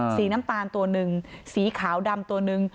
สีน้ำตาลตัวหนึ่งสีขาวดำตัวหนึ่ง